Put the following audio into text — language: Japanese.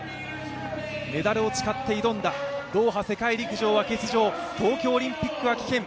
メダルを誓って挑んだドーハ世界陸上は欠場、東京オリンピックは棄権。